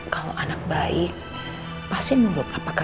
kalau anak baik pasti nurut sama mama